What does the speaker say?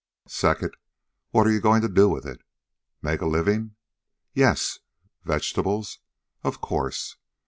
Second, what are you going to do with it? Make a living? Yes. Vegetables? Of course.